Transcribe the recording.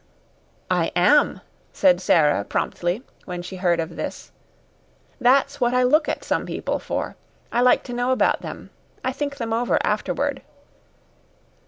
"I am," said Sara, promptly, when she heard of this. "That's what I look at some people for. I like to know about them. I think them over afterward."